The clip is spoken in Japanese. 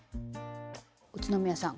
宇都宮さん